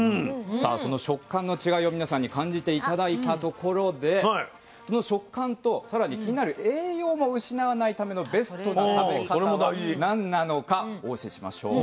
さあその食感の違いを皆さんに感じて頂いたところでその食感とさらに気になる栄養を失わないためのベストな食べ方は何なのかお教えしましょう。